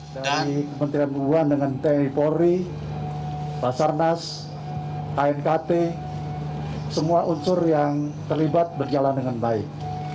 dari kementerian kebuangan dengan tni polri pasar nas bapak kt semua unsur yang terlibat berjalan dengan baik